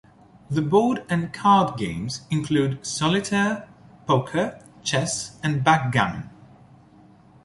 The board and card games include Solitaire, Poker, Chess and Backgammon.